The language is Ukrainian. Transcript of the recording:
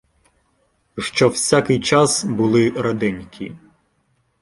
Що всякий час були раденькі